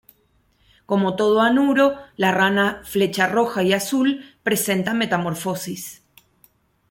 Como todo anuro, la rana flecha roja y azul presenta metamorfosis.